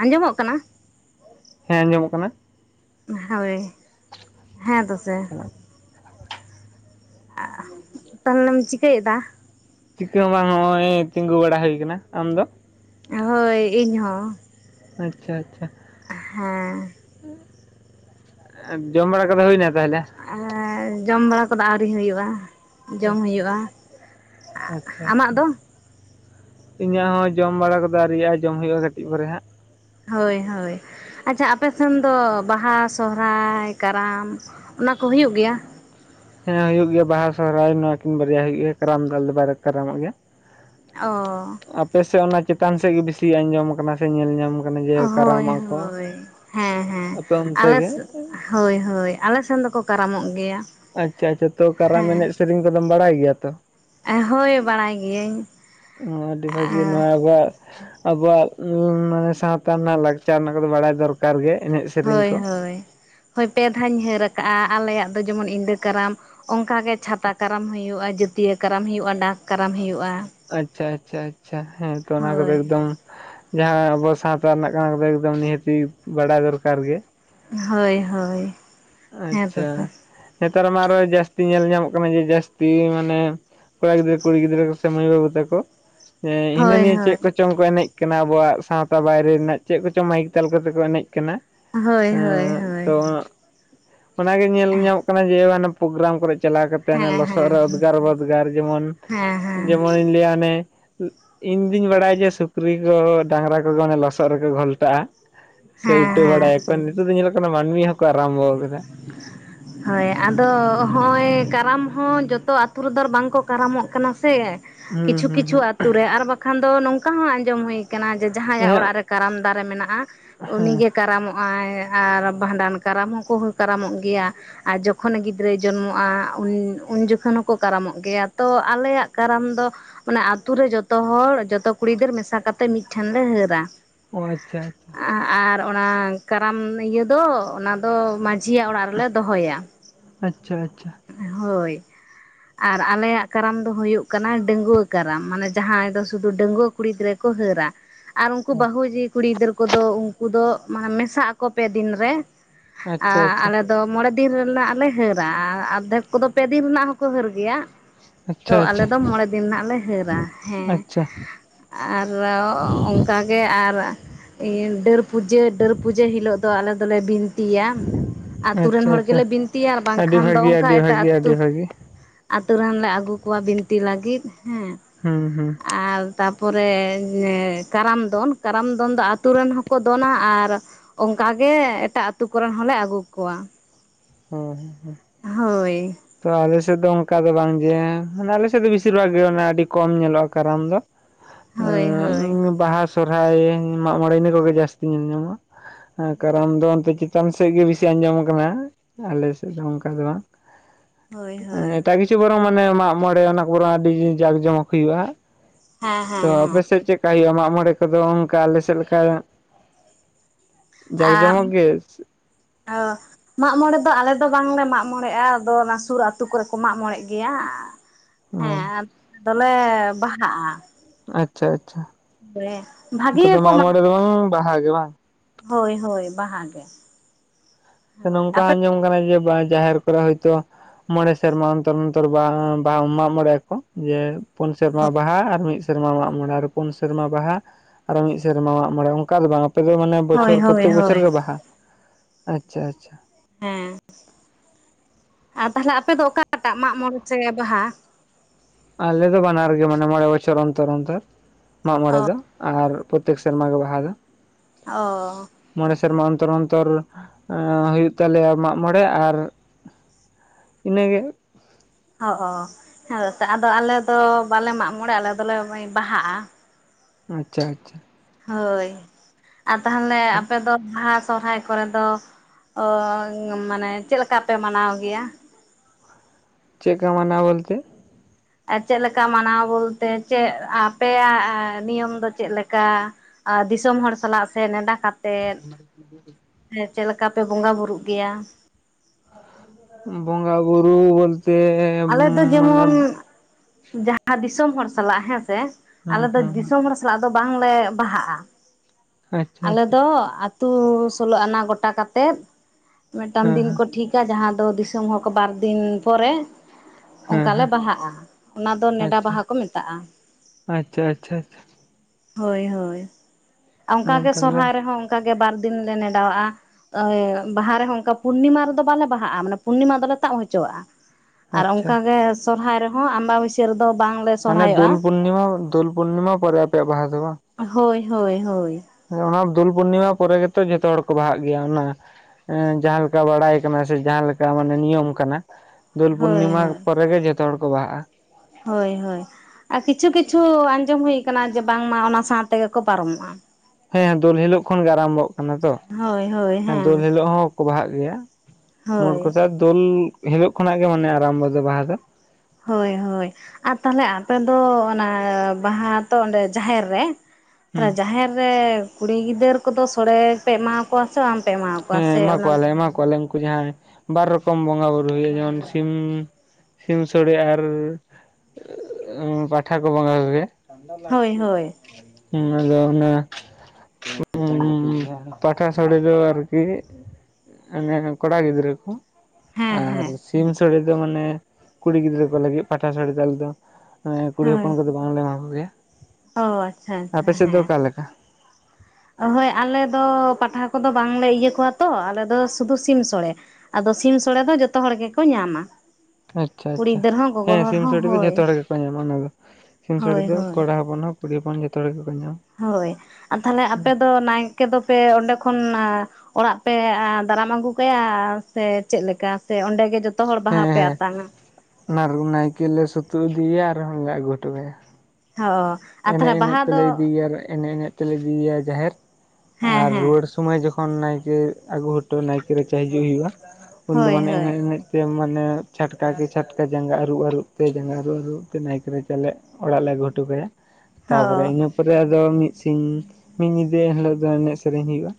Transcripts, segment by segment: ᱟᱸᱡᱚᱢᱚᱜ ᱠᱟᱱᱟ ᱦᱮᱸ ᱟᱸᱡᱚᱢᱚᱜ ᱠᱟᱱᱟ᱾ ᱦᱳᱭ ᱦᱮᱸ ᱛᱚᱥᱮ᱾ ᱛᱟᱦᱚᱞᱮᱢ ᱪᱤᱠᱟᱹᱭᱮᱫᱟ? ᱪᱤᱠᱟᱹ ᱦᱚᱸ ᱵᱟᱝ ᱱᱚᱜᱚᱭ ᱛᱤᱸᱜᱩ ᱵᱟᱲᱟ ᱦᱩᱭ ᱠᱟᱱᱟ, ᱟᱢ ᱫᱚ? ᱦᱳᱭ ᱤᱧ ᱦᱚᱸ᱾ ᱟᱪᱪᱷᱟ ᱟᱪᱪᱷᱟ᱾ ᱦᱮᱸ ᱡᱚᱢ ᱵᱟᱲᱟ ᱠᱚᱫᱚ ᱦᱩᱭᱱᱟ ᱛᱟᱦᱚᱞᱮ? ᱮᱻ ᱡᱚᱢ ᱵᱟᱲᱟ ᱠᱚᱫᱚ ᱟᱹᱣᱨᱤ ᱦᱩᱭᱩᱜᱼᱟ᱾ ᱡᱚᱢ ᱟᱪᱪᱷᱟ ᱦᱩᱭᱩᱜᱼᱟ, ᱟᱪᱪᱷᱟ ᱟᱢᱟᱜ ᱟᱪᱪᱷᱟ ᱫᱚ? ᱤᱧᱟᱹᱜ ᱦᱚᱸ ᱡᱚᱢ ᱵᱟᱲᱟ ᱠᱚᱫᱚ ᱟᱨᱤ ᱦᱩᱭᱩᱜᱼᱟ, ᱡᱚᱢ ᱦᱩᱭᱩᱜᱼᱟ ᱠᱟᱹᱴᱤᱡ ᱯᱚᱨᱮ ᱦᱟᱸᱜ᱾ ᱦᱳᱭ ᱦᱳᱭ᱾ ᱟᱪᱪᱷᱟ ᱟᱯᱮᱥᱮᱱ ᱫᱚ ᱵᱟᱦᱟ ᱥᱨᱦᱟᱭ ᱠᱟᱨᱟᱢ ᱚᱱᱟ ᱠᱚ ᱦᱩᱭᱩᱜ ᱜᱮᱭᱟ? ᱦᱮᱸ ᱦᱩᱭᱩᱜ ᱜᱮᱭᱟ ᱵᱟᱦᱟ ᱥᱚᱦᱚᱨᱟᱭ ᱱᱚᱣᱟ ᱠᱤᱱ ᱵᱟᱨᱭᱟ ᱦᱩᱭᱩᱜ ᱜᱮᱭᱟ ᱠᱟᱨᱟᱢ ᱫᱚ ᱟᱞᱮ ᱫᱚ ᱵᱟᱞᱮ ᱠᱟᱨᱟᱢᱚᱜ ᱜᱮᱭᱟ᱾ ᱚ ᱟᱯᱮ ᱥᱮᱫ ᱚᱱᱟ ᱪᱮᱛᱟᱱ ᱥᱮᱫ ᱜᱮ ᱵᱤᱥᱤ ᱟᱸᱡᱚᱢ ᱟᱠᱟᱱᱟ ᱥᱮ ᱧᱮᱞ ᱧᱟᱢ ᱠᱟᱱᱟ᱾ ᱚᱱᱮᱡᱮ ᱦᱳᱭ ᱠᱟᱨᱟᱢᱚᱜ ᱟᱠᱚ ᱦᱳᱭ ᱦᱮᱸ ᱦᱮᱸ ᱟᱯᱮ ᱚᱱᱛᱮ ᱟᱞᱮ ᱜᱮ᱾ ᱦᱳᱭ ᱦᱳᱭ ᱟᱞᱮᱥᱮᱱ ᱫᱚᱠᱚ ᱠᱟᱨᱟᱢᱚᱜ ᱜᱮᱭᱟ᱾ ᱟᱪᱪᱷᱟ ᱛᱚ ᱠᱟᱨᱟᱢ ᱦᱮᱸ ᱮᱱᱮᱡ ᱥᱮᱨᱮᱧ ᱠᱚᱫᱚᱢ ᱵᱟᱲᱟᱭ ᱜᱮᱭᱟ ᱛᱚ? ᱦᱳᱭ ᱵᱟᱲᱟᱭ ᱜᱤᱭᱟᱹᱧ ᱟᱹᱰᱤ ᱵᱷᱟᱜᱤ ᱟᱨ ᱱᱚᱣᱟ ᱟᱵᱚᱣᱟᱜ ᱟᱵᱚᱣᱟᱜ ᱢᱟᱱᱮ ᱥᱟᱶᱛᱟ ᱨᱮᱱᱟᱜ ᱞᱟᱠᱪᱟᱨ ᱚᱱᱟ ᱠᱚᱫᱚ ᱵᱟᱲᱟᱭ ᱫᱚᱨ ᱠᱟᱨᱜᱮ ᱮᱱᱮᱡ ᱥᱮᱨᱮᱧ ᱦᱳᱭ ᱠᱚ ᱦᱳᱭ ᱦᱳᱭ ᱯᱮ ᱫᱷᱟᱣᱧ ᱦᱟᱹᱨ ᱟᱠᱟᱜᱼᱟ ᱟᱞᱮᱭᱟᱜ ᱫᱚ ᱡᱮᱢᱚᱱ ᱤᱱᱫᱟᱹ ᱠᱟᱨᱟᱢ, ᱚᱱᱠᱟᱜᱮ ᱪᱷᱟᱛᱟ ᱠᱟᱨᱟᱢ ᱦᱩᱭᱩᱜᱼᱟ, ᱡᱟᱹᱛᱤᱭᱟᱹ ᱠᱟᱨᱟᱢ ᱦᱩᱭᱩᱜᱼᱟ, ᱰᱟᱜᱽ ᱠᱟᱨᱟᱢ ᱦᱩᱭᱩᱜᱼᱟ, ᱟᱪᱪᱷᱟ ᱟᱪᱪᱷᱟ ᱟᱪᱪᱷᱟ ᱦᱮᱸ ᱛᱚ ᱚᱱᱟ ᱠᱚᱫᱚ ᱦᱳᱭ ᱮᱠᱫᱚᱢ ᱡᱟᱦᱟᱸ ᱟᱵᱚ ᱥᱟᱶᱛᱟ ᱨᱮᱱᱟᱜ ᱠᱟᱱᱟ ᱠᱚᱫᱚ ᱮᱠᱫᱚᱢ ᱱᱤᱦᱟᱹᱛᱤ ᱵᱟᱰᱟᱭ ᱫᱚᱨᱠᱟᱨ ᱜᱮ᱾ ᱦᱳᱭ ᱦᱳᱭ᱾ ᱦᱮᱸ ᱟᱪᱪᱷᱟ ᱛᱚᱵᱮ ᱱᱮᱛᱟᱨ ᱢᱟ ᱟᱨᱚ ᱡᱟᱹᱥᱛᱤ ᱧᱮᱞ ᱧᱟᱢᱚᱜ ᱠᱟᱱᱟ ᱡᱮ ᱡᱟᱹᱥᱛᱤ ᱢᱟᱱᱮ ᱠᱚᱲᱟ ᱜᱤᱫᱽᱨᱟᱹ ᱠᱩᱲᱤ ᱜᱤᱫᱽᱨᱟᱹ ᱠᱚ ᱥᱮ ᱢᱟᱹᱭ ᱵᱟᱹᱵᱩ ᱛᱟᱠᱚ ᱦᱤᱱᱟᱹ ᱦᱳᱭ ᱱᱤᱭᱟᱹ ᱪᱮᱫ ᱦᱳᱭ ᱠᱚ ᱪᱚᱝ ᱠᱚ ᱮᱱᱮᱡ ᱠᱟᱱᱟ ᱟᱵᱚᱣᱟᱜ ᱥᱟᱶᱛᱟ ᱵᱟᱭᱨᱮ ᱨᱮᱱᱟᱜ ᱪᱮᱫ ᱠᱚᱪᱚᱝ ᱢᱟᱹᱭᱤᱠ ᱛᱟᱞ ᱠᱚᱛᱮ ᱠᱚ ᱮᱱᱮᱡ ᱠᱟᱱᱟ᱾ ᱦᱳᱭ ᱦᱳᱭ ᱮᱸ ᱦᱳᱭ ᱛᱚ ᱚᱱᱟᱜᱮ ᱧᱮᱞ ᱧᱟᱢᱚᱜ ᱠᱟᱱᱟ ᱡᱮ ᱚᱱᱟ ᱯᱳᱜᱨᱟᱢ ᱠᱚᱨᱮ, ᱪᱟᱞᱟᱣ ᱠᱟᱛᱮᱜ ᱦᱮᱸ ᱚᱱᱮ ᱦᱮᱸ ᱦᱮᱸ ᱞᱚᱥᱚᱫ ᱨᱮ ᱦᱮᱸ ᱚᱫᱽᱜᱟᱨ ᱵᱫᱽᱜᱟᱨ ᱡᱮᱢᱚᱱ ᱦᱮᱸ ᱡᱮᱢᱚᱱᱤᱧ ᱞᱟᱹᱭᱟ ᱚᱱᱮ ᱤᱧ ᱫᱩᱧ ᱵᱟᱲᱟᱭᱟ ᱡᱮ ᱥᱩᱠᱨᱤ ᱠᱚ ᱰᱟᱝᱨᱟ ᱠᱚᱜᱮ ᱚᱱᱮ ᱞᱚᱥᱚᱫ ᱨᱮᱠᱚ ᱜᱷᱞᱴᱟᱜᱼᱟ᱾ ᱥᱮ ᱦᱮᱸ ᱩᱴᱟᱹ ᱦᱮᱸ ᱵᱟᱲᱟᱭᱟᱠᱚ ᱱᱤᱛᱚᱜ ᱫᱚ ᱧᱮᱞᱚᱜ ᱠᱟᱱᱟ ᱢᱟᱹᱱᱢᱤ ᱦᱚᱸᱠᱚ ᱟᱨᱟᱢ ᱵᱚ ᱠᱟᱫᱟ᱾ [inaudible] ᱦᱳᱭ ᱟᱫᱚ ᱦᱚᱜᱼᱚᱭ ᱠᱟᱨᱟᱢ ᱦᱚᱸ ᱡᱚᱛᱚ ᱟᱹᱛᱩ ᱨᱮᱫᱚ ᱵᱟᱝᱠᱚ ᱠᱟᱨᱟᱢᱚᱜ ᱠᱟᱱᱟ ᱥᱮ᱾ ᱦᱩᱸ ᱠᱤᱪᱷᱩ ᱦᱩᱸ ᱠᱤᱪᱷᱩ ᱦᱩᱸ ᱟᱛᱳ ᱨᱮ ᱟᱨ ᱵᱟᱠᱷᱟᱱ ᱫᱚ ᱱᱚᱝᱠᱟ ᱦᱚᱸ ᱟᱸᱡᱚᱢ ᱦᱩᱭ ᱠᱟᱱᱟ ᱡᱮ ᱡᱟᱦᱟᱸᱭᱟᱜ ᱦᱮᱸ ᱚᱲᱟᱜ ᱨᱮ ᱠᱟᱨᱟᱢ ᱫᱟᱨᱮ ᱢᱮᱱᱟᱜᱼᱟ ᱦᱮᱸ ᱩᱱᱤᱜᱮ ᱠᱟᱨᱟᱢᱚᱜ ᱟᱭ ᱟᱨ ᱵᱷᱟᱸᱰᱟᱱ ᱠᱟᱨᱟᱢ ᱦᱚᱸᱠᱚ ᱠᱟᱨᱟᱢᱚᱜ ᱜᱮᱭᱟ᱾ ᱟᱨ ᱡᱚᱠᱷᱚᱱ ᱜᱤᱫᱽᱨᱟᱹᱭ ᱡᱚᱱᱢᱚᱜᱼᱟ, ᱩᱱ ᱡᱚᱠᱷᱚᱱ ᱦᱚᱸᱠᱚ ᱠᱟᱨᱟᱢᱚᱜ ᱜᱮᱭᱟ, ᱛᱚ ᱟᱞᱮᱭᱟᱜ ᱠᱟᱨᱟᱢ ᱫᱚ ᱚᱱᱟ ᱟᱹᱛᱩ ᱨᱮ ᱡᱚᱛᱚ ᱦᱚᱲ ᱡᱚᱛᱚ ᱠᱩᱲᱤ ᱜᱤᱫᱟᱹᱨ ᱢᱮᱥᱟ ᱠᱟᱛᱮᱜ ᱢᱤᱫᱴᱷᱮᱱ ᱞᱮ ᱦᱟᱹᱨᱟ᱾ ᱚ ᱟᱪᱪᱷᱟ ᱟᱪᱪᱷᱟ ᱟᱨ ᱚᱱᱟ ᱠᱟᱨᱟᱢ ᱤᱭᱟᱹ ᱫᱚ ᱚᱱᱟ ᱛᱚ ᱢᱟᱺᱡᱷᱤᱭᱟᱜ ᱚᱲᱟᱜ ᱨᱮᱞᱮ ᱫᱚᱦᱚᱭᱟ᱾ ᱟᱪᱪᱷᱟ ᱟᱪᱪᱷᱟ ᱦᱳᱭ ᱟᱨ ᱟᱞᱮᱭᱟᱜ ᱠᱟᱨᱟᱢ ᱫᱚ ᱦᱩᱭᱩᱜ ᱠᱟᱱᱟ ᱰᱟᱹᱝᱣᱟᱹ ᱠᱟᱨᱟᱢ, ᱢᱟᱱᱮ ᱡᱟᱦᱟᱸᱭ ᱫᱚ ᱥᱩᱫᱩ ᱰᱟᱹᱝᱣᱟᱹ ᱠᱩᱲᱤ ᱜᱤᱫᱽᱨᱟᱹ ᱠᱚ ᱦᱟᱹᱨᱟ᱾ ᱟᱨ ᱩᱱᱠᱩ ᱵᱟᱹᱦᱩ ᱡᱤ ᱠᱩᱲᱤ ᱜᱤᱫᱽᱨᱟᱹ ᱠᱚᱫᱚ ᱩᱱᱠᱩ ᱫᱚ ᱢᱟᱱᱮ ᱢᱮᱥᱟᱜ ᱟᱠᱚ ᱯᱮ ᱫᱤᱱ ᱨᱮ᱾ ᱟᱪᱪᱷᱟ ᱟᱪᱪᱷᱟ ᱟᱞᱮ ᱫᱚ ᱢᱚᱬᱮ ᱫᱤᱱ ᱨᱮᱱᱟᱜ ᱞᱮ ᱦᱟᱹᱨᱟ᱾ ᱟᱨᱫᱷᱮᱠ ᱠᱚᱫᱚ ᱯᱮ ᱫᱤᱱ ᱨᱮᱱᱟᱜ ᱦᱚᱸᱠᱚ ᱦᱟᱹᱨ ᱜᱮᱭᱟ᱾ ᱛᱚ ᱟᱞᱮ ᱟᱪᱪᱷᱟ ᱫᱚ ᱢᱚᱬᱮ ᱫᱤᱱ ᱨᱮᱱᱟᱜ ᱞᱮ ᱦᱟᱹᱨᱟ ᱦᱮᱸ᱾ ᱟᱪᱪᱷᱟ ᱟᱨ ᱚᱱᱠᱟᱜᱮ ᱟᱨ ᱰᱟᱹᱨ ᱯᱩᱡᱟᱹ, ᱰᱟᱹᱨ ᱯᱩᱡᱟᱹ ᱦᱤᱞᱳᱜ ᱫᱚ ᱟᱞᱮ ᱫᱚᱞᱮ ᱵᱤᱱᱛᱤᱭᱟ᱾ ᱟᱹᱛᱩ ᱨᱮᱱ ᱟᱪᱪᱷᱟ ᱦᱚᱲ ᱟᱪᱪᱷᱟ ᱜᱮᱞᱮ ᱵᱤᱱᱛᱤᱭᱟ, ᱟᱨ ᱟᱹᱰᱤ ᱵᱟᱝᱠᱷᱟᱱ ᱫᱚ ᱵᱷᱟᱹᱜᱤ ᱚᱱᱠᱟ ᱟᱹᱰᱤ ᱮᱴᱟᱜ ᱵᱷᱟᱹᱜᱤ ᱟᱹᱛᱩ᱾ ᱟᱹᱰᱤ ᱵᱷᱟᱹᱜᱤ ᱟᱸᱛᱩ ᱨᱮᱱ ᱞᱮ ᱟᱹᱜᱩ ᱠᱚᱣᱟ ᱵᱤᱱᱛᱤ ᱞᱟᱹᱜᱤᱫ ᱦᱮᱸ ᱦᱩᱸᱻᱦᱩᱸᱻ᱾ ᱟᱨ ᱛᱟᱯᱚᱨᱮ ᱠᱟᱨᱟᱢ ᱫᱚᱱ ᱠᱟᱨᱟᱢ ᱫᱚᱱ ᱫᱚ ᱟᱹᱛᱳ ᱨᱮᱱ ᱦᱚᱸᱠᱚ ᱫᱚᱱᱟ ᱟᱨ ᱚᱱᱠᱟᱜᱮ ᱮᱴᱟᱜ ᱟᱹᱛᱩ ᱠᱚᱨᱮᱱ ᱦᱚᱞᱮ ᱟᱹᱜᱩ ᱠᱚᱣᱟ᱾ ᱦᱮᱸᱦᱮᱸ᱾ ᱦᱳᱭ᱾ ᱛᱚ ᱟᱞᱮᱥᱮᱫ ᱫᱚ ᱚᱱᱠᱟ ᱫᱚ ᱵᱟᱝ ᱜᱮ, ᱟᱞᱮᱥᱮᱫ ᱫᱚ ᱵᱮᱥᱤᱨ ᱵᱷᱟᱜᱽ ᱜᱮ ᱟᱹᱰᱤ ᱠᱚᱢ ᱧᱮᱞᱚᱜᱼᱟ, ᱠᱟᱨᱟᱢ ᱫᱚ᱾ ᱦᱳᱭ ᱦᱳᱭ ᱮᱸ ᱵᱟᱦᱟ ᱥᱚᱨᱦᱟᱭ ᱢᱟᱜ ᱢᱚᱬᱮ ᱤᱱᱟᱹ ᱠᱚᱜᱮ ᱡᱟᱹᱥᱛᱤ ᱧᱮᱞ ᱧᱟᱢᱚᱜᱼᱟ᱾ ᱠᱟᱨᱟᱢ ᱫᱚ ᱚᱱᱛᱮ ᱪᱮᱛᱟᱱ ᱥᱮᱫ ᱜᱮ ᱵᱤᱥᱤ ᱟᱸᱡᱚᱢ ᱠᱟᱱᱟ, ᱟᱞᱮ ᱥᱮᱫ ᱫᱚ ᱚᱱᱠᱟ ᱫᱚ ᱵᱟᱝ᱾ ᱦᱳᱭ ᱮᱸ ᱦᱳᱭ ᱮᱴᱟᱜ ᱠᱤᱪᱷᱩ ᱵᱚᱨᱚᱝ ᱢᱟᱱᱮ ᱢᱟᱜ ᱢᱚᱬᱮ ᱚᱱᱟ ᱠᱚ, ᱵᱚᱨᱚᱝ ᱟᱹᱰᱤ ᱡᱟᱠ ᱡᱚᱢᱚᱠ ᱦᱩᱭᱩᱜᱼᱟ ᱾ ᱦᱮᱸ ᱛᱚ ᱦᱮᱸ ᱦᱮᱸ ᱟᱯᱮ ᱥᱮᱫ ᱪᱮᱫ ᱠᱟ ᱦᱩᱭᱩᱜᱼᱟ? ᱢᱟᱜ ᱢᱚᱬᱮ ᱠᱚᱫᱚ ᱚᱱᱠᱟ ᱟᱞᱮ ᱥᱮᱫ ᱞᱮᱠᱟ? ᱡᱟᱠ ᱡᱚᱢᱚᱠ ᱜᱮ? [unintelligible] ᱢᱟᱜ ᱢᱚᱬᱮ ᱫᱚ ᱟᱞᱮ ᱫᱚ ᱵᱟᱝᱞᱮ ᱢᱟᱜ ᱢᱚᱬᱮᱜᱼᱟ, ᱟᱫᱚ ᱚᱱᱟ ᱥᱩᱨ ᱟᱹᱛᱩ ᱠᱚᱨᱮ ᱠᱚ ᱢᱟᱜ ᱢᱚᱬᱮᱜ ᱜᱮᱭᱟ᱾ ᱚ ᱦᱮᱸ ᱟᱫᱚ ᱞᱮ ᱵᱟᱦᱟᱜᱼᱟ᱾ ᱟᱪᱪᱷᱟ ᱟᱪᱪᱷᱟ, ᱵᱷᱟᱜᱮ ᱟᱯᱮ ᱫᱚ ᱜᱮᱠᱚ ᱢᱟᱜ ᱢᱚᱬᱮ ᱫᱚ ᱵᱟᱝ ᱵᱟᱦᱟ ᱜᱮ ᱵᱟᱝ᱾ ᱦᱳᱭ ᱦᱳᱭ ᱵᱟᱦᱟ ᱜᱮ᱾ ᱦᱳᱭ ᱱᱚᱝᱠᱟ ᱟᱯᱮ ᱟᱸᱡᱚᱢ ᱠᱟᱱᱟ ᱡᱮ ᱵᱟ ᱡᱟᱦᱮᱨ ᱛᱚᱵᱮ ᱦᱳᱭᱛᱚ ᱢᱚᱬᱮ ᱥᱮᱨᱢᱟ ᱚᱱᱛᱚᱨ ᱚᱱᱛᱚᱨ ᱵᱟᱦᱟ ᱢᱟᱜ ᱢᱚᱬᱮ ᱟᱠᱚ ᱡᱮ ᱯᱳᱱ ᱥᱮᱨᱢᱟ ᱵᱟᱦᱟ ᱟᱨ, ᱢᱤᱫ ᱥᱮᱨᱢᱟ ᱢᱟᱜ ᱢᱚᱬᱮ ᱟᱨ ᱯᱩᱱ ᱥᱮᱨᱢᱟ ᱵᱟᱦᱟ, ᱟᱨᱚ ᱢᱤᱫ ᱥᱮᱨᱢᱟ ᱢᱟᱜ ᱢᱚᱬᱮ ᱚᱱᱠᱟ ᱫᱚ ᱵᱟᱝ ᱟᱯᱮ ᱫᱚ ᱢᱟᱱᱮ ᱦᱳᱭ ᱵᱚᱪᱷᱚᱨ ᱦᱳᱭ ᱯᱨᱚᱛᱮᱠ ᱵᱚᱪᱷᱚᱨ ᱦᱳᱭ ᱜᱮ ᱵᱟᱦᱟ ᱟᱪᱪᱷᱟ ᱟᱪᱪᱷᱟ᱾ ᱦᱮᱸ, ᱛᱟᱦᱚᱞᱮ ᱟᱯᱮ ᱫᱚ ᱚᱠᱟᱴᱟᱜ ᱢᱟᱜ ᱢᱚᱬᱮ ᱥᱮ ᱵᱟᱦᱟ? ᱟᱞᱮ ᱫᱚ ᱵᱟᱱᱟᱨ ᱜᱮ ᱢᱟᱱᱮ ᱢᱚᱬᱮ ᱵᱚᱪᱷᱚᱨ ᱚᱱᱛᱚᱨ ᱚᱱᱛᱚᱨ ᱢᱟᱜ ᱢᱚᱬᱮ ᱚ ᱫᱚ᱾ ᱟᱨ ᱯᱨᱚᱛᱮᱠ ᱥᱮᱨᱢᱟ ᱜᱮ ᱵᱟᱦᱟ ᱫᱚ᱾ ᱚᱸᱻ᱾ ᱢᱚᱬᱮ ᱥᱮᱨᱢᱟ ᱚᱱᱛᱚᱨ ᱚᱱᱛᱚᱨ ᱦᱩᱭᱩᱜ ᱛᱟᱞᱮᱭᱟ ᱢᱟᱜ ᱢᱚᱬᱮ, ᱟᱨ ᱤᱱᱟᱹᱜᱮ᱾ ᱚᱸᱻ ᱚᱸᱻ᱾ ᱦᱮᱸ ᱟᱫᱚ ᱟᱞᱮ ᱫᱚ ᱵᱟᱞᱮ ᱢᱟᱜ ᱢᱚᱬᱮ ᱟᱞᱮ ᱫᱚᱞᱮ ᱵᱟᱦᱟᱜᱼᱟ᱾ ᱟᱪᱪᱷᱟᱻᱟᱪᱪᱷᱟᱻ᱾ ᱦᱳᱭ, ᱟᱨ ᱛᱟᱦᱚᱞᱮ ᱟᱪᱪᱷᱟ, ᱟᱯᱮᱫ ᱫᱚ ᱵᱟᱦᱟ ᱥᱚᱦᱚᱨᱟᱭ ᱠᱚᱨᱮ ᱫᱚ ᱚᱸᱻ ᱢᱟᱱᱮ ᱪᱮᱫ ᱞᱮᱠᱟ ᱯᱮ ᱢᱟᱱᱟᱣ ᱜᱮᱭᱟ? ᱪᱮᱜ ᱠᱟ ᱢᱟᱱᱟ ᱵᱚᱞᱛᱮ? ᱪᱮᱫ ᱞᱮᱠᱟ ᱢᱟᱱᱟᱣ ᱵᱚᱞᱛᱮ ᱪᱮᱫ ᱟᱯᱮᱭᱟᱜ ᱱᱤᱭᱚᱢ ᱫᱚ ᱪᱮᱜ ᱞᱮᱠᱟ? ᱫᱤᱥᱚᱢ ᱦᱚᱲ ᱥᱟᱞᱟᱜ ᱥᱮ ᱱᱮᱰᱟ ᱠᱟᱛᱮᱫ? ᱮᱱᱛᱮᱫ ᱪᱮᱫ ᱞᱮᱠᱟ ᱯᱮ ᱵᱚᱸᱜᱟ ᱵᱩᱨᱩᱜ ᱜᱮᱭᱟ? ᱵᱚᱸᱜᱟ ᱵᱩᱨᱩ ᱵᱚᱞᱛᱮ ᱟᱞᱮ ᱫᱚ ᱢᱟᱱᱮ ᱡᱮᱢᱚᱱ ᱡᱟᱦᱟᱸ ᱟᱨ ᱫᱤᱥᱚᱢ ᱦᱚᱲ ᱥᱟᱞᱟᱜ ᱦᱮᱸᱥᱮ, ᱦᱩᱸ ᱟᱞᱮ ᱦᱩᱸ ᱫᱚ ᱦᱩᱸ ᱫᱤᱥᱚᱢ ᱦᱚᱲ ᱥᱟᱞᱟᱜ ᱫᱚ ᱵᱟᱝᱞᱮ ᱵᱟᱦᱟᱜᱼᱟ, ᱟᱪᱪᱷᱟ ᱟᱞᱮ ᱟᱪᱪᱷᱟ ᱫᱚ ᱟᱛᱳ ᱟᱛᱩ ᱥᱳᱞᱳ ᱟᱱᱟ ᱜᱚᱴᱟ ᱠᱟᱛᱮᱜ ᱢᱤᱫᱴᱟᱝ ᱦᱮᱸ ᱫᱤᱱ ᱦᱮᱸ ᱠᱚ ᱴᱷᱤᱠ ᱠᱟ ᱡᱟᱦᱟᱸ ᱫᱚ ᱫᱤᱥᱚᱢ ᱦᱚᱲ ᱠᱚ ᱵᱟᱨ ᱫᱤᱱ ᱯᱚᱨᱮ ᱦᱮᱸ ᱚᱱᱠᱟ ᱞᱮ ᱦᱮᱸ ᱵᱟᱦᱟᱜᱼᱟ ᱚᱱᱟ ᱫᱚ ᱱᱮᱰᱟ ᱟᱪᱪᱷᱟ ᱵᱟᱦᱟ ᱠᱚ ᱢᱮᱛᱟᱜᱼᱟ ᱟᱪᱪᱷᱟ ᱟᱪᱪᱷᱟ ᱟᱪᱪᱷᱟ ᱦᱳᱭ ᱦᱳᱭ ᱚᱱᱠᱟ ᱜᱮ ᱱᱚᱝᱠᱟᱱ ᱵᱮᱱ ᱥᱚᱨᱦᱟᱭ ᱨᱮᱦᱚᱸ ᱚᱱᱠᱟ ᱜᱮ ᱵᱟᱨ ᱫᱤᱱ ᱞᱮ ᱱᱮᱰᱟᱣᱟᱜᱼᱟ ᱵᱟᱦᱟ ᱨᱮᱦᱚᱸ ᱚᱱᱠᱟ ᱯᱩᱨᱱᱤᱢᱟ ᱨᱮᱫᱚ ᱵᱟᱞᱮ ᱵᱟᱦᱟᱜᱼᱟ ᱢᱟᱱᱮ ᱯᱩᱨᱱᱤᱢᱟ ᱫᱚᱞᱮ ᱛᱟᱵ ᱦᱚᱪᱚᱣᱟᱜᱼᱟ ᱟᱨ ᱚᱱᱠᱟ ᱟᱪᱪᱷᱟ ᱜᱮ ᱥᱚᱨᱦᱟᱭ ᱨᱮᱦᱚᱸ ᱟᱢᱵᱟ ᱵᱟᱹᱭᱥᱟᱹ ᱨᱮ ᱫᱚ ᱵᱟᱝ ᱞᱮ ᱢᱟᱱᱮ ᱫᱳᱞ ᱯᱩᱨᱱᱤᱢᱟ ᱫᱳᱞ ᱯᱩᱨᱱᱤᱢᱟ ᱯᱚᱨᱮ ᱟᱯᱮᱭᱟᱜ ᱵᱟᱦᱟ ᱫᱚ ᱵᱟᱝ ᱦᱳᱭ ᱦᱳᱭ ᱦᱳᱭ ᱚᱱᱟ ᱫᱳᱞ ᱯᱩᱨᱱᱤᱢᱟ ᱯᱚᱨᱮ ᱜᱮᱛᱚ ᱡᱚᱛᱚ ᱦᱚᱲ ᱠᱚ ᱵᱟᱦᱟᱜ ᱜᱮᱭᱟ ᱚᱱᱟ ᱮ ᱡᱟᱦᱟᱸᱞᱮᱠᱟ ᱵᱟᱲᱟᱭ ᱠᱟᱱᱟ ᱥᱮ ᱡᱟᱦᱟᱸᱞᱮᱠᱟ ᱢᱟᱱᱮ ᱱᱤᱭᱚᱢ ᱠᱟᱱᱟ ᱫᱳᱞ ᱦᱳᱭ ᱯᱩᱨᱱᱤᱢᱟ ᱦᱳᱭ ᱯᱚᱨᱮ ᱜᱮ ᱡᱷᱚᱛᱚ ᱦᱚᱲ ᱠᱚ ᱵᱟᱦᱟᱜᱼᱟ ᱦᱳᱭ ᱦᱳᱭ ᱟᱨ ᱠᱤᱪᱷᱩ ᱠᱤᱪᱷᱩ ᱟᱸᱡᱚᱢ ᱦᱩᱭ ᱟᱠᱟᱱᱟ ᱡᱮ ᱵᱟᱝᱢᱟ ᱚᱱᱟ ᱥᱟᱶᱛᱮ ᱜᱮ ᱠᱚ ᱯᱟᱨᱚᱢᱚᱜᱼᱟ ᱦᱮᱸ ᱫᱳᱞ ᱦᱤᱞᱳᱜ ᱠᱷᱚᱱ ᱜᱮ ᱟᱨᱟᱢᱵᱷᱚᱜ ᱠᱟᱱᱟ ᱛᱚ ᱦᱳᱭ ᱦᱳᱭ ᱦᱮᱸ ᱫᱳᱞ ᱦᱤᱞᱳᱜ ᱦᱚᱸᱠᱚ ᱵᱟᱦᱟᱜ ᱜᱮᱭᱟ ᱢᱳᱴ ᱦᱳᱭ ᱠᱚᱛᱷᱟ ᱫᱳᱞ ᱦᱤᱞᱳᱜ ᱠᱷᱚᱱᱟᱜ ᱜᱮ ᱢᱟᱱᱮ ᱟᱨᱟᱢᱵᱚ ᱫᱚ ᱵᱟᱦᱟ ᱫᱚ ᱦᱳᱭ ᱦᱳᱭ ᱟᱨ ᱛᱟᱦᱞᱮ ᱟᱯᱮ ᱫᱚ ᱚᱱᱟ ᱵᱟᱦᱟ ᱛᱚ ᱚᱰᱮ ᱡᱟᱦᱮᱸᱨ ᱨᱮ ᱦᱩᱸ ᱡᱟᱦᱮᱸᱨ ᱨᱮ ᱠᱩᱲᱤ ᱜᱤᱫᱟᱹᱨ ᱠᱚ ᱫᱚ ᱥᱳᱲᱮ ᱯᱮ ᱮᱢᱟᱣ ᱠᱚᱣᱟ ᱥᱮ ᱵᱟᱝ ᱯᱮ ᱮᱢᱟᱠᱚᱣᱟ ᱦᱮᱸ ᱥᱮ ᱮᱢᱟ ᱚᱱᱟ ᱠᱚᱣᱟᱞᱮ ᱮᱢᱟ ᱠᱚᱣᱟᱞᱮ ᱩᱱᱠᱩ ᱡᱟᱦᱟᱸᱭ ᱵᱟᱨ ᱨᱚᱠᱚᱢ ᱵᱚᱸᱜᱟ ᱵᱩᱨᱩᱳ ᱦᱩᱭᱩᱜᱼᱟ ᱡᱮᱢᱚᱱ ᱥᱤᱢ ᱥᱤᱢ ᱥᱳᱲᱮ ᱟᱨ ᱯᱟᱴᱷᱟ ᱠᱚ ᱵᱚᱸᱜᱟ ᱠᱚ ᱜᱮᱭᱟ ᱦᱳᱭ ᱦᱳᱭ [unintelligible] ᱟᱫᱚ ᱚᱱᱟ ᱯᱟᱴᱟ ᱥᱳᱲᱮ ᱫᱚ ᱟᱨ ᱠᱤ ᱚᱱᱮ ᱠᱚᱲᱟ ᱜᱤᱫᱽᱨᱟᱹ ᱠᱚ ᱦᱮᱸ ᱟᱨ ᱦᱮᱸ ᱥᱤᱢ ᱥᱚᱲᱮ ᱫᱚ ᱢᱟᱱᱮ ᱠᱩᱲᱤ ᱜᱤᱫᱽᱨᱟᱹ ᱠᱚ ᱞᱟᱹᱜᱤᱫ ᱯᱟᱴᱟ ᱥᱚᱲᱮ ᱫᱚ ᱟᱞᱮ ᱫᱚ ᱠᱩᱲᱤ ᱦᱳᱭ ᱦᱚᱯᱚᱱ ᱠᱚᱫᱚ ᱵᱟᱝᱞᱮ ᱮᱢᱟ ᱠᱚ ᱜᱮᱭᱟ ᱚ ᱟᱪᱪᱷᱟ ᱟᱯᱮ ᱟᱪᱪᱷᱟ ᱥᱮᱫ ᱫᱚ ᱦᱮᱸ ᱚᱠᱟ ᱞᱮᱠᱟ ᱦᱳᱭ ᱟᱞᱮ ᱫᱚ ᱯᱟᱴᱷᱟ ᱠᱚᱫᱚ ᱵᱟᱝᱞᱮ ᱤᱭᱟᱹ ᱠᱚᱣᱟ ᱛᱚ ᱟᱞᱮ ᱫᱚ ᱥᱩᱫᱩ ᱥᱤᱢ ᱥᱳᱲᱮ ᱟᱫᱚ ᱥᱤᱢ ᱥᱳᱲᱮ ᱫᱚ ᱡᱚᱛᱚ ᱦᱚᱲ ᱜᱮ ᱠᱚ ᱧᱟᱢᱟ ᱟᱪᱪᱷᱟ ᱠᱩᱲᱤ ᱟᱪᱪᱷᱟ ᱜᱤᱫᱟᱹᱨ ᱦᱚᱸ ᱜᱚᱜᱚ ᱦᱮᱸ ᱦᱚᱲ ᱥᱤᱢ ᱦᱚᱸ ᱥᱳᱲᱮ ᱫᱚ ᱦᱳᱭ ᱡᱷᱚᱛᱚ ᱦᱚᱲ ᱜᱮ ᱠᱚ ᱧᱟᱢᱟ ᱚᱱᱟ ᱫᱚ ᱥᱤᱢ ᱥᱚᱲᱮ ᱦᱳᱭ ᱫᱚ ᱦᱳᱭ ᱠᱚᱲᱟ ᱦᱚᱯᱚᱱ ᱦᱚᱸ ᱠᱩᱲᱤ ᱦᱚᱯᱚᱱ ᱡᱚᱛᱚ ᱦᱚᱲ ᱜᱮᱠᱚ ᱧᱟᱢᱟ ᱦᱳᱭ ᱟᱨ ᱛᱟᱦᱞᱮ ᱟᱯᱮ ᱫᱚ ᱱᱟᱭᱠᱮ ᱫᱚᱯᱮ ᱚᱸᱰᱮ ᱠᱷᱚᱱ ᱚᱲᱟᱜ ᱯᱮ ᱫᱟᱨᱟᱢ ᱟᱹᱜᱩ ᱠᱟᱭᱟ ᱥᱮ ᱪᱮᱫᱞᱮᱠᱟ ᱥᱮ ᱚᱸᱰᱮ ᱜᱮ ᱡᱚᱛᱚ ᱦᱚᱲ ᱵᱟᱦᱟ ᱯᱮ ᱟᱛᱟᱝᱟ ᱟᱨ ᱱᱟᱭᱠᱮᱞᱞ ᱞᱮ ᱥᱩᱛᱩᱜ ᱤᱫᱤᱭᱮᱭᱟ ᱟᱨ. ᱦᱚᱸ ᱞᱮ ᱟᱹᱜᱩ ᱦᱚᱴᱚᱭᱟ ᱦᱚ ᱮᱱᱮᱡ ᱮᱱᱮᱡ ᱛᱮᱞᱮ ᱤᱫᱤᱭᱟ ᱮᱱᱮᱡ ᱮᱱᱮᱡ ᱛᱮᱞᱮ ᱤᱫᱤᱭᱮᱭᱟ ᱡᱟᱦᱮᱸᱨ ᱦᱮᱸ ᱟᱨ ᱦᱮᱸ ᱨᱩᱣᱟᱹᱲ ᱥᱩ ᱥᱳᱢᱳᱚᱭ ᱡᱚᱠᱷᱚᱱ ᱱᱟᱭᱠᱮ ᱟᱹᱜᱩ ᱦᱚᱴᱚ ᱱᱟᱭᱠᱮ ᱨᱟᱪᱟ ᱦᱤᱡᱩᱜ ᱦᱩᱭᱩᱜ-ᱟ ᱩᱱ ᱫᱚ ᱦᱳᱭ ᱢᱟᱱᱮ ᱦᱳᱭ ᱮᱱᱮᱡ ᱮᱱᱮᱡ ᱥᱮ ᱢᱟᱱᱮ ᱪᱷᱟᱴᱠᱟ ᱠᱮ ᱪᱷᱟᱴᱠᱟ ᱡᱟᱸᱜᱟ ᱟᱹᱨᱩ ᱟᱹᱨᱩᱵ ᱛᱮ ᱡᱟᱸᱜᱟ ᱟᱹᱨᱩᱵ ᱟᱹᱨᱩᱵ ᱛᱮ ᱱᱟᱭᱠᱮ ᱪᱟᱞᱟᱜ ᱚᱲᱟᱜ ᱞᱮ ᱟᱹᱜᱩ ᱦᱚᱴᱚ ᱠᱟᱭᱟ ᱚ ᱛᱟᱨᱯᱚᱨᱮ ᱤᱱᱟᱹ ᱯᱚᱨᱮ ᱟᱫᱚ ᱢᱤᱫ ᱥᱤᱧ ᱢᱤᱫ ᱧᱤᱫᱟᱹ ᱮᱱ ᱦᱤᱞᱳᱜ ᱫᱚ ᱮᱱᱮᱡ ᱥᱮᱨᱮᱧ ᱦᱩᱭᱩᱜ-ᱟ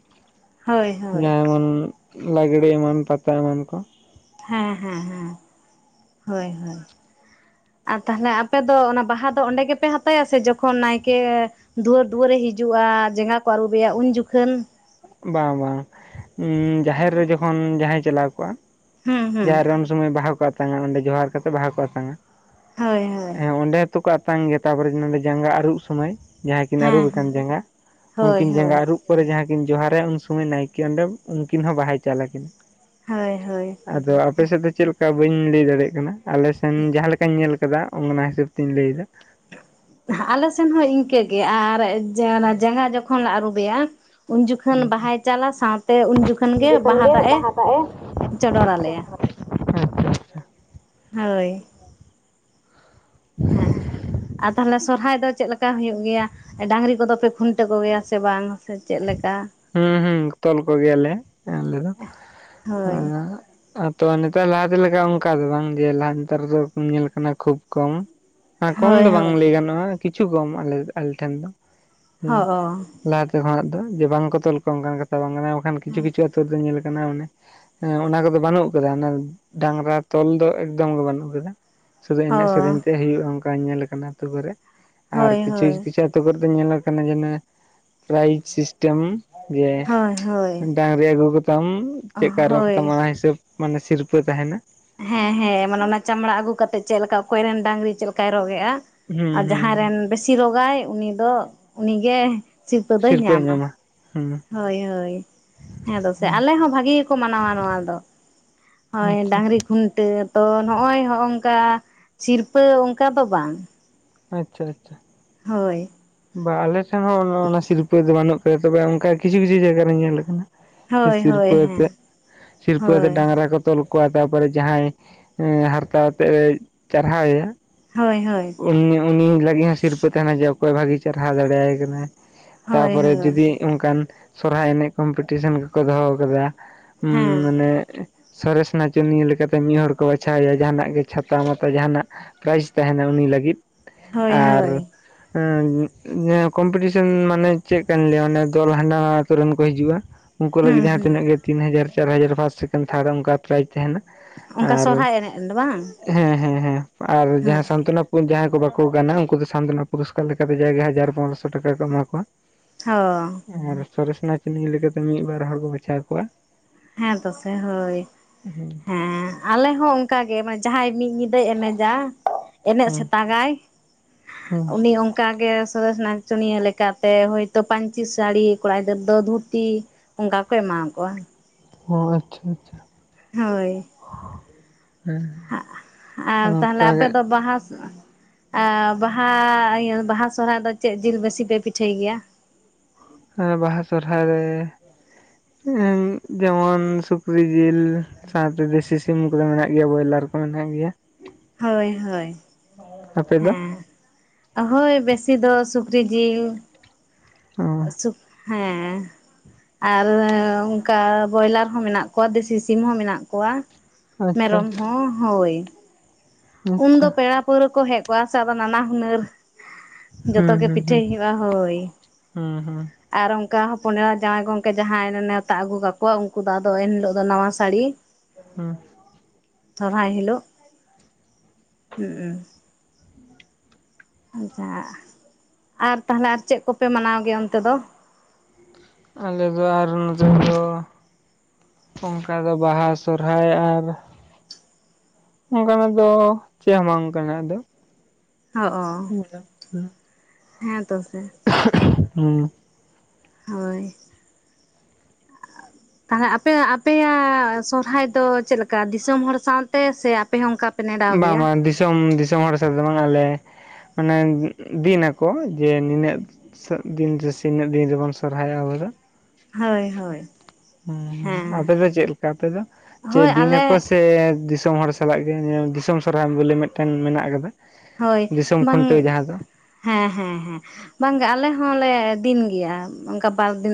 ᱦᱳᱭ ᱦᱳᱭ ᱡᱮᱢᱚᱱ ᱞᱟᱜᱽᱲᱮ ᱮᱢᱟᱱ ᱯᱟᱛᱟ ᱮᱢᱟᱱ ᱠᱚ ᱦᱮᱸ ᱦᱮᱸ ᱦᱮᱸ ᱦᱳᱭ ᱦᱳᱭ ᱟᱨ ᱛᱟᱦᱚᱞᱮ ᱟᱯᱮ ᱫᱚ ᱚᱱᱟ ᱵᱟᱦᱟ ᱫᱚ ᱚᱸᱰᱮ ᱜᱮᱯᱮ ᱦᱟᱛᱟᱭᱟ ᱥᱮ ᱡᱚᱠᱷᱚᱱ ᱱᱟᱭᱠᱮ ᱫᱩᱣᱟᱹᱨ ᱫᱩᱣᱟᱹᱨᱮ ᱦᱤᱡᱩᱜᱼᱟ ᱡᱟᱸᱜᱟ ᱠᱚ ᱟᱹᱨᱩᱵᱮᱭᱟ ᱩᱱ ᱡᱚᱠᱷᱚᱱ ᱵᱟᱝ ᱵᱟᱝ ᱡᱟᱦᱮᱸᱨ ᱨᱮ ᱡᱚᱠᱷᱚᱱ ᱡᱟᱦᱟᱸᱭ ᱪᱟᱞᱟᱣ ᱠᱚᱜ-ᱟ ᱦᱩᱸ ᱦᱩᱸ ᱡᱟᱦᱮᱸᱨ ᱨᱮ ᱩᱱ ᱥᱚᱢᱚᱭ ᱵᱟᱦᱟ ᱠᱚ ᱟᱛᱟᱝ-ᱟ ᱚᱸᱰᱮ ᱡᱚᱦᱟᱸᱨ ᱠᱟᱛᱮ ᱵᱟᱦᱟ ᱠᱚ ᱟᱛᱟᱝ-ᱟ ᱦᱳᱭ ᱦᱳᱭ ᱦᱮᱸ ᱚᱸᱰᱮ ᱡᱚᱛᱚ ᱠᱚ ᱟᱛᱟᱝ ᱜᱮᱭᱟ ᱛᱟᱯᱚᱨᱮ ᱱᱚᱰᱮ ᱡᱟᱸᱜᱟ ᱟᱹᱨᱩᱵ ᱥᱚᱢᱚᱭ ᱡᱟᱦᱟᱸ ᱠᱤᱱ ᱦᱮᱸ ᱟᱹᱨᱩᱵ ᱦᱮᱸ ᱟᱠᱟᱱ ᱡᱟᱸᱜᱟ ᱦᱳᱭ ᱩᱱᱠᱤᱱ ᱡᱟᱸᱜᱟ ᱦᱳᱭ ᱟᱹᱨᱩᱵ ᱯᱚᱨᱮ ᱡᱟᱦᱟᱸ ᱠᱤᱱ ᱡᱚᱦᱟᱸᱨ ᱮᱱ ᱥᱚᱢᱚᱭ ᱱᱟᱭᱠᱮ ᱚᱸᱰᱮ ᱩᱱᱠᱤᱱ ᱦᱚᱸ ᱵᱟᱦᱟᱭ ᱪᱟᱞ ᱟᱹᱠᱤᱱᱟ ᱦᱳᱭ ᱦᱳᱭ ᱟᱫᱚ ᱟᱯᱮ ᱥᱮᱫ ᱫᱚ ᱪᱮᱫ ᱞᱮᱠᱟ ᱵᱟᱹᱧ ᱞᱟᱹᱭ ᱫᱟᱲᱮᱭᱟᱜ ᱠᱟᱱᱟ ᱟᱞᱮ ᱥᱮᱱ ᱡᱟᱦᱟᱸ ᱞᱮᱠᱟᱧ ᱧᱮᱞ ᱠᱟᱫᱟ ᱚᱱᱟ ᱦᱤᱥᱟᱹᱵ ᱛᱤᱧ ᱞᱟᱹᱭᱫᱟ ᱟᱞᱮ ᱥᱮᱱ ᱦᱚᱸ ᱤᱱᱠᱟᱹᱜᱮ ᱟᱨ ᱡᱟᱸᱜᱟ ᱡᱚᱠᱷᱚᱱ ᱞᱮ ᱟᱹᱨᱩᱵᱮᱭᱟ ᱩᱱ ᱡᱚᱠᱷᱚᱱ ᱦᱩᱸ ᱵᱟᱦᱟᱭ ᱪᱟᱞ-ᱟ ᱥᱟᱶᱛᱮ ᱩᱱ ᱡᱚᱠᱷᱚᱱ ᱜᱮ ᱵᱟᱦᱟ ᱫᱟᱜ ᱮ ᱟᱪᱪᱷᱟ ᱪᱚᱰᱚᱨᱟᱞᱮᱭᱟ ᱟᱪᱪᱷᱟ ᱦᱳᱭ᱾ ᱦᱮᱸ ᱟᱨ ᱛᱟᱦᱚᱞᱮ ᱥᱚᱨᱦᱟᱭ ᱫᱚ ᱪᱮᱫ ᱞᱮᱠᱟ ᱦᱩᱭᱩᱜ ᱜᱮᱭᱟ ᱰᱟᱹᱝᱨᱤ ᱠᱚᱫᱚ ᱯᱮ ᱠᱷᱩᱱᱴᱟᱹ ᱠᱚᱜᱮᱭᱟ ᱥᱮ ᱵᱟᱝ? ᱪᱮᱫ ᱞᱮᱠᱟ ᱦᱮᱸ ᱦᱩᱸ ᱛᱚᱞ ᱠᱚᱜᱮᱭᱟᱞᱮ ᱟᱞᱮ ᱫᱚ ᱦᱳᱭ ᱟᱨ ᱟ ᱛᱚ ᱱᱮᱛᱟᱨ ᱞᱟᱦᱟᱛᱮ ᱞᱮᱠᱟ ᱚᱱᱠᱟ ᱫᱚ ᱵᱟᱝ ᱡᱮ ᱞᱟᱠᱟ ᱱᱮᱛᱟᱨ ᱫᱚ ᱧᱮᱞ ᱠᱟᱱᱟ ᱠᱷᱩᱵ ᱠᱚᱢ, ᱦᱮᱸ ᱠᱚᱢ ᱦᱳᱭ ᱫᱚ ᱵᱟᱝ ᱦᱳᱭ ᱞᱟᱹᱭ ᱜᱟᱱᱚᱜ-ᱟ ᱠᱤᱪᱷᱩ ᱠᱚᱢ ᱟᱞᱮ ᱴᱷᱮᱱ ᱫᱚ, ᱦᱚ ᱚᱻ ᱞᱟᱦᱟᱛᱮ ᱠᱷᱚᱱᱟᱜ ᱫᱚ ᱡᱮ ᱵᱟᱝ ᱠᱚ ᱛᱚᱞ ᱠᱚ ᱚᱱᱠᱟᱱ ᱠᱟᱛᱷᱟ ᱵᱟᱝ ᱠᱟᱱᱟ ᱵᱟᱝᱠᱟᱱᱟ ᱠᱤᱪᱷᱩ ᱠᱤᱪᱷᱩ ᱟᱹᱛᱩ ᱫᱚ ᱧᱮᱞ ᱠᱟᱱᱟ ᱚᱱᱮ ᱦᱮᱸ ᱚᱱᱟ ᱠᱚᱫᱚ ᱵᱟᱹᱱᱩᱜ ᱟᱠᱟᱫᱟ ᱚᱱᱟ ᱰᱟᱝᱨᱟ ᱛᱚᱞ ᱫᱚ ᱮᱠᱫᱚᱢ ᱜᱮ ᱵᱟᱹᱱᱩᱜ ᱟᱠᱟᱫᱟ᱾ ᱥᱩᱫᱩ ᱮᱱᱮᱡ ᱥᱮᱨᱮᱧ ᱦᱚᱸ ᱛᱮ ᱦᱩᱭᱩᱜ-ᱟ ᱚᱱᱠᱟ ᱧᱮᱞ ᱟᱠᱟᱱᱟ ᱟᱹᱛᱩ ᱠᱚᱨᱮ ᱟᱨ ᱦᱳᱭ ᱠᱤᱪᱷᱩ ᱦᱳᱭ ᱠᱤᱪᱷᱩ ᱚᱛᱳ ᱠᱚᱨᱮ ᱫᱚ ᱧᱮᱞ-ᱞᱟ ᱠᱟᱱᱟ ᱡᱮᱱᱚ ᱯᱨᱟᱭᱤᱡᱽ ᱥᱤᱥᱴᱮᱢ ᱡᱮ ᱦᱳᱭ ᱦᱳᱭ ᱰᱟᱝᱨᱤ ᱟᱹᱜᱩ ᱠᱟᱛᱟᱢ ᱪᱮᱫᱮᱠᱟᱭ ᱨᱳᱜᱽ ᱛᱟᱢ ᱦᱳᱭ ᱚᱱᱟ ᱦᱤᱥᱟᱹᱵ ᱢᱟᱱᱮ ᱥᱤᱨᱯᱟᱹ ᱛᱟᱦᱮᱱᱟ᱾ ᱦᱮᱸ ᱦᱮᱸ ᱢᱟᱱᱮ ᱚᱱᱟ ᱪᱟᱢᱲᱟ ᱟᱹᱜᱩ ᱠᱟᱛᱮᱜ ᱪᱮᱫ ᱞᱮᱠᱟ ᱚᱠᱚᱭᱨᱮᱱ ᱰᱟᱝᱨᱤ ᱪᱮᱫᱞ ᱞᱮᱠᱟᱭ ᱨᱚᱜ ᱮᱜ-ᱟ᱾ ᱟᱨ ᱦᱩᱸ ᱦᱩᱸ ᱡᱟᱦᱟᱸᱭ ᱦᱩᱸ ᱨᱮᱱ ᱵᱮᱥᱤ ᱨᱳᱜᱽᱟᱭ ᱩᱱᱤ ᱫᱚ ᱩᱱᱤᱜᱮ ᱥᱤᱨᱯᱟᱹ ᱫᱚᱭ ᱥᱤᱨᱯᱟᱹᱭ ᱧᱟᱢᱟ᱾ ᱦᱩᱸ ᱦᱳᱭ ᱦᱳᱭ ᱦᱮᱸ ᱫᱚ ᱥᱮ ᱦᱩᱸ ᱟᱞᱮ ᱦᱚᱸ ᱵᱷᱟᱜᱤ ᱜᱮᱠᱚ ᱢᱟᱱᱟᱣᱟ ᱱᱚᱣᱟ ᱫᱚ᱾ ᱦᱚᱳᱭ ᱟᱪᱪᱷᱟ ᱰᱟᱝᱨᱤ ᱠᱷᱩᱱᱴᱟᱹᱣ ᱛᱚ ᱱᱚᱜ-ᱚᱭ ᱱᱚᱦᱚᱜᱝᱠᱟ ᱥᱤᱨᱯᱟᱹ ᱚᱱᱠᱟ ᱫᱚ ᱵᱟᱝ᱾ ᱟᱪᱷᱟ ᱟᱪᱷᱟ ᱦᱳᱭ ᱵᱟ ᱟᱞᱮ ᱴᱷᱮᱱ ᱦᱚᱸ ᱚᱱᱟ ᱥᱤᱨᱯᱟᱹ ᱫᱚ ᱵᱟᱹᱱᱩᱜ ᱟᱠᱟᱭᱟ ᱛᱚᱵᱮ ᱚᱱᱠᱟ ᱠᱤᱪᱷᱩ ᱠᱤᱪᱷᱩ ᱡᱟᱭᱜᱟᱮ ᱧᱮᱞ ᱟᱠᱟᱱᱟ᱾ ᱦᱳᱭ ᱦᱳᱭ ᱦᱮᱸ ᱥᱤᱨᱯᱟᱹᱛᱮ ᱥᱤᱨᱯᱟᱹᱛᱮ ᱦᱳᱭ ᱰᱟᱝᱨᱟ ᱠᱚ ᱛᱚᱞ ᱠᱚᱣᱟ ᱛᱟᱯᱚᱨᱮ ᱡᱟᱦᱟᱸᱭ ᱦᱟᱨᱛᱟᱣᱛᱮᱫ ᱮ ᱪᱟᱨᱦᱟᱣ ᱮᱭᱟ ᱦᱳᱭ ᱦᱳᱭ ᱩᱱᱤ ᱩᱱᱤ ᱞᱟᱹᱜᱤᱫ ᱦᱚᱸ ᱥᱤᱨᱯᱟᱹ ᱛᱟᱦᱮᱱᱟ ᱡᱮ ᱚᱠᱚᱭ ᱵᱷᱟᱜᱤᱭ ᱪᱟᱨᱦᱟᱣ ᱫᱟᱲᱮᱭᱟᱭ ᱠᱟᱱᱟᱭ, ᱦᱳᱭ ᱛᱟᱯᱚᱨᱮ ᱦᱳᱭ ᱡᱩᱫᱤ ᱚᱱᱠᱟᱱ ᱥᱚᱨᱦᱟᱭ ᱮᱱᱮᱡ ᱠᱚᱢᱯᱤᱴᱤᱥᱮᱱ ᱠᱚᱠᱚ ᱫᱚᱦᱚ ᱠᱟᱫᱟ ᱩᱸᱢ ᱦᱮᱸ ᱢᱟᱱᱮ ᱥᱚᱨᱮᱥ ᱱᱟᱪᱚᱱᱤᱭᱟᱹ ᱞᱮᱠᱟᱛᱮ ᱢᱤᱫ ᱦᱚᱲ ᱠᱚ ᱵᱟᱪᱷᱟᱣ ᱮᱭᱟ ᱡᱟᱦᱟᱱᱟᱜ ᱜᱮ ᱪᱷᱟᱛᱟ ᱢᱟᱛᱟ ᱡᱟᱦᱟᱱᱟᱜ ᱯᱨᱟᱭᱤᱡ ᱛᱟᱦᱮᱱᱟ᱾ ᱩᱱᱤ ᱞᱟᱹᱜᱤᱫ ᱦᱳᱭ ᱟᱨ ᱦᱳᱭ ᱠᱚᱢᱯᱤᱴᱤᱥᱮᱱ ᱢᱟᱱᱮ ᱪᱮᱫ ᱠᱟᱱ ᱞᱟᱹᱭᱟ ᱚᱱᱮ ᱫᱚᱞ ᱦᱟᱸᱰᱮ ᱱᱟ ᱟᱛᱳ ᱨᱮᱱ ᱠᱚ ᱦᱤᱡᱩᱜ-ᱟ᱾ ᱩᱱᱠᱩ ᱦᱩᱸ ᱞᱟᱹᱜᱤᱫ ᱡᱟᱦᱟᱸ ᱦᱩᱸ ᱛᱤᱱᱟᱹᱜ ᱜᱮ ᱛᱤᱱ ᱦᱟᱡᱟᱨ ᱪᱟᱨ ᱦᱟᱡᱟᱨ ᱯᱷᱟᱥᱴ ᱥᱮᱠᱮᱱᱰ ᱛᱷᱟᱨᱰ ᱚᱱᱠᱟ ᱯᱨᱟᱭᱤᱡ ᱛᱟᱦᱮᱱᱟ᱾ ᱚᱱᱠᱟ ᱟᱨ ᱥᱚᱨᱦᱟᱭ ᱮᱱᱮᱡ ᱨᱮᱫᱚ ᱵᱟᱝ? ᱦᱮᱸ ᱦᱮᱸ ᱦᱮᱸ ᱟᱨ ᱦᱳᱭ ᱡᱟᱦᱟᱸ- ᱚᱛᱟᱱᱟᱯᱩ ᱡᱟᱦᱟᱸᱭ ᱠᱚ ᱵᱟᱠᱚ ᱜᱟᱱᱟ ᱩᱱᱠᱩ ᱫᱚ ᱥᱟᱱᱛᱚᱱᱟ ᱯᱩᱨᱚᱥᱠᱟᱨ ᱞᱮᱠᱟᱛᱮ ᱡᱟᱭᱜᱟ ᱦᱟᱡᱟᱨ ᱯᱚᱱᱚᱨᱚᱥᱚ ᱴᱟᱠᱟ ᱠᱚ ᱮᱢᱟ ᱠᱚᱣᱟ᱾ ᱦᱚᱸ᱾ ᱟᱨ ᱥᱚᱨᱮᱥᱱᱟ ᱪᱤᱱᱤ ᱞᱮᱠᱟᱛᱮ ᱢᱤᱫ ᱵᱟᱨ ᱦᱚᱲ ᱠᱚ ᱵᱟᱪᱷᱟᱣ ᱠᱚᱣᱟ᱾ ᱦᱮᱸ ᱫᱚ ᱥᱮ ᱦᱳᱭ ᱦᱮᱸ᱾ ᱟᱞᱮ ᱦᱚᱸ ᱚᱝᱠᱟ ᱜᱮ ᱢᱮ ᱡᱟᱦᱟᱸᱭ ᱢᱤᱫ ᱧᱤᱫᱟᱹᱭ ᱮᱱᱮᱡᱟ ᱮᱱᱮᱡ ᱦᱮᱸ ᱥᱮᱛᱟᱜᱟᱭ, ᱦᱮᱸ ᱩᱱᱤ ᱚᱝᱠ- ᱠᱟᱜ ᱜᱮᱥ ᱥᱚᱨᱮᱥ ᱱᱟᱪᱚᱱᱤᱭᱟᱹ ᱞᱮᱠᱟ ᱛᱮ ᱦᱳᱭ ᱛᱳ ᱯᱟᱹᱧᱪᱤ ᱥᱟᱲᱤ ᱠᱚᱲᱟ ᱜᱤᱫᱟᱹᱨ ᱫᱚ ᱫᱷᱩᱛᱤ᱾ ᱚᱝᱠᱟ ᱠᱚ ᱮᱢᱟ ᱟᱠᱚᱣᱟ᱾ ᱚ ᱟᱪᱷᱟ ᱟᱪᱷᱟ ᱦᱳᱭ᱾ ᱦᱮᱸ ᱟᱨ ᱛᱟᱦᱞᱮ ᱟᱯᱮ ᱚᱱᱠᱟᱜᱮ ᱫᱚ ᱵᱟᱦᱟ- ᱵᱟᱦᱟ ᱤᱭᱟᱹ ᱵᱟᱦᱟ ᱥᱚᱦᱨᱟᱭ ᱫᱚ ᱪᱮᱫ ᱡᱤᱞ ᱵᱮᱥᱤ ᱯᱮ ᱯᱤᱴᱷᱟᱹᱭ ᱜᱮᱭᱟ? ᱵᱟᱦᱟ ᱥᱚᱨᱦᱟᱭ ᱨᱮ ᱡᱮᱢᱚᱱ ᱥᱩᱠᱨᱤ ᱡᱤᱞ, ᱥᱟᱶᱛᱮ ᱫᱮᱥᱤ ᱥᱤᱢ ᱠᱚᱫᱚ ᱢᱮᱱᱟᱜ ᱜᱮᱭᱟ ᱵᱚᱭᱞᱟᱨ ᱠᱚ ᱢᱮᱱᱟᱜ ᱜᱮᱭᱟ᱾ ᱦᱳᱭ ᱦᱳᱭ᱾ [inaudible] ᱦᱮᱸ ᱚᱦᱳᱭ ᱵᱮᱥᱤ ᱫᱚ ᱥᱩᱠᱨᱤ ᱡᱤᱞ᱾ ᱚ ᱥᱩᱠ ᱦᱮᱸ᱾ ᱟᱨ ᱚᱝᱠᱟ ᱵᱚᱭᱞᱟᱨ ᱦᱚᱸ ᱢᱮᱱᱟᱜ ᱠᱚᱣᱟ ᱫᱮᱥᱤ ᱥᱤᱢ ᱦᱚᱸ ᱢᱮᱱᱟᱜ ᱠᱚᱣᱟ᱾ ᱟᱪᱪᱷᱟ ᱢᱮᱨᱚᱢ ᱦᱚᱸ ᱦᱳᱭ᱾ ᱩᱱᱫᱚ ᱟᱪᱪᱷᱟ ᱯᱮᱲᱟ ᱯᱟᱹᱣᱨᱟᱹ ᱠᱚ ᱦᱮᱡ ᱠᱚᱜᱼᱟ ᱥᱮ ᱟᱫᱚ ᱱᱟᱱᱟ ᱦᱩᱱᱟᱹᱨ ᱡᱚᱛᱚ ᱦᱩᱸ ᱜᱮ ᱦᱩᱸ ᱯᱤᱴᱷᱟᱹᱭ ᱦᱩᱸ ᱦᱩᱭᱩᱜᱼᱟ ᱦᱳᱭ᱾ ᱦᱩᱸ ᱦᱩᱸ ᱟᱨ ᱚᱝᱠᱟ ᱦᱚᱯᱚᱱ ᱮᱨᱟ ᱡᱟᱶᱟᱭ ᱜᱚᱝᱠᱮ ᱡᱟᱦᱟᱸᱭ ᱱᱮᱶᱛᱟ ᱟᱹᱜᱩ ᱠᱟᱠᱚᱣᱟ ᱩᱱᱠᱩ ᱫᱚ ᱟᱫᱚ ᱮᱱᱦᱤᱞᱳᱜ ᱫᱚ ᱱᱟᱣᱟ ᱥᱟᱲᱤ- ᱦᱩᱸ ᱛᱚᱦᱚᱨᱟᱭ ᱦᱤᱞᱳᱜ᱾ [unintelligible] ᱦᱩᱜ ᱩ᱾ ᱟᱧᱪᱷᱟ ᱟᱨ ᱛᱟᱦᱮᱞᱮ ᱟᱨ ᱪᱮᱫ ᱠᱚᱯᱮ ᱢᱟᱱᱟᱣ ᱜᱮᱭᱟ ᱚᱱᱛᱮ ᱫᱚ? ᱟᱞᱮ ᱫᱚ ᱟᱨ ᱱᱚᱛᱮ ᱫᱚ ᱚᱝᱠᱟ ᱫᱚ ᱵᱟᱦᱟ ᱥᱚᱨᱦᱟᱭ ᱟᱨ ᱚᱝᱠᱟᱱᱟᱜ ᱫᱚ ᱪᱮᱜ ᱦᱚᱸ ᱵᱟᱝ ᱠᱟᱱᱟ ᱟᱫᱚ᱾ ᱚᱜ ᱚ ᱦᱮᱸ ᱛᱚ ᱥᱮ᱾ [unintelligible] ᱦᱩᱸ᱾ ᱦᱳᱭ ᱛᱟᱦᱞᱮ ᱟᱯᱮᱟᱜ ᱟᱯᱮᱭᱟᱜ ᱟ ᱥᱚᱨᱦᱟᱭ ᱫᱚ ᱪᱮᱜ ᱞᱮᱠᱟ ᱫᱤᱥᱚᱢ ᱦᱚᱲ ᱥᱟᱶ ᱛᱮ ᱥᱮ ᱟᱯᱮ ᱦᱚᱸ ᱚᱝᱠᱟ ᱵᱟᱝ ᱵᱟᱝ ᱫᱤᱥᱚᱢ ᱫᱤᱥᱚᱢ ᱦᱚᱲ ᱥᱟᱛᱮ ᱫᱚ ᱵᱟᱝᱼᱟ ᱟᱞᱮ ᱢᱟᱱᱮ ᱫᱤᱱ ᱱᱟᱠᱚ ᱡᱮ ᱱᱤᱱᱟᱹᱜ ᱥᱚᱜ ᱫᱤᱱ ᱨᱮᱥᱮ ᱱᱤᱱᱟᱹᱜ ᱫᱤᱱ ᱨᱮᱵᱚᱱ ᱥᱚᱨᱦᱟᱭᱚᱜᱼᱟ ᱟᱵᱚ ᱫᱚ᱾ ᱦᱳᱭ ᱦᱳᱭ᱾ ᱦᱩᱸ ᱦᱩᱸ ᱦᱮᱸ ᱟᱯᱮ ᱫᱚ ᱪᱮᱜ ᱞᱮᱠᱟ ᱟᱯᱮ ᱫᱚ ᱡᱮ ᱦᱳᱭ ᱫᱤᱱᱟ ᱟᱞᱮ ᱠᱚ ᱥᱮ ᱫᱤᱥᱚᱢ ᱦᱚᱲ ᱥᱟ ᱛᱷᱟᱞᱟᱜ ᱜᱮ ᱧᱮᱞ ᱫᱤᱥᱚᱢ ᱥᱚᱨᱦᱟᱭ ᱵᱚᱞᱮ ᱢᱮᱫᱴᱟᱝ ᱢᱮᱱᱟᱜ ᱟᱠᱟᱫᱟ ᱦᱳᱭ ᱫᱤᱥᱚᱢ ᱠᱷᱩᱱᱴᱟᱹᱣ ᱵᱟᱝ ᱡᱟᱦᱟᱸ ᱫᱚ᱾ ᱦᱮᱸ ᱦᱮᱸ ᱦᱮᱸ ᱵᱟᱝ ᱜᱮ ᱟᱞᱮ ᱦᱚᱸᱞᱮ ᱫᱤᱱ ᱜᱮᱭᱟ ᱚᱝᱠᱟ ᱵᱟᱨ ᱫᱤᱱ